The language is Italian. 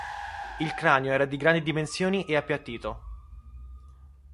Il cranio era di grandi dimensioni e appiattito.